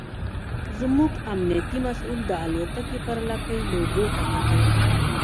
زموږ امنیتي مسوول د الوتکې پر لکۍ لوګو ته کتل.